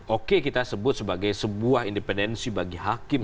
oke kita sebut sebagai sebuah independensi bagi hakim